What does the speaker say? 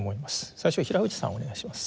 最初平藤さんお願いします。